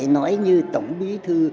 nói như tổng bí thư